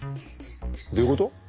どういうこと？